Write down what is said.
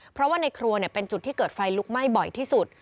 เพราะว่าในครัวเป็นจุดที่เกิดไฟลุกไหม้บ่อยที่สุด